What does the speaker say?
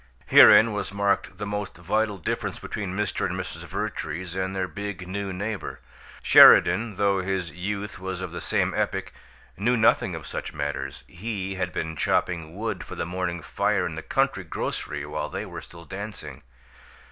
Herein was marked the most vital difference between Mr. and Mrs. Vertrees and their big new neighbor. Sheridan, though his youth was of the same epoch, knew nothing of such matters. He had been chopping wood for the morning fire in the country grocery while they were still dancing.